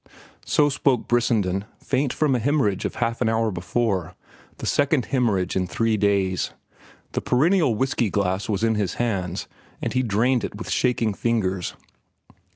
So spoke Brissenden, faint from a hemorrhage of half an hour before—the second hemorrhage in three days. The perennial whiskey glass was in his hands, and he drained it with shaking fingers.